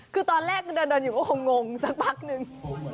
คือตอนแรกเดินอยู่ก็คงงสักพักนึง